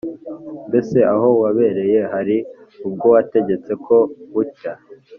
“mbese aho wabereye hari ubwo wategetse ko bucya,